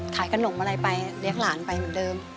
ขายขนมอะไรไปเลี้ยงหลานไปเหมือนเดิม